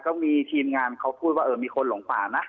ก็มีทีมงานเขาพูดว่ามีคนหลงป่านะ